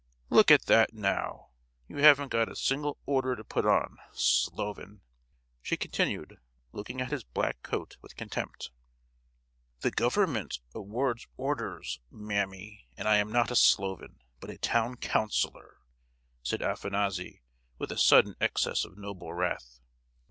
"Look at that, now! You haven't got a single 'order' to put on—sloven!" she continued, looking at his black coat with contempt. "The Government awards orders, mammy; and I am not a sloven, but a town councillor!" said Afanassy, with a sudden excess of noble wrath.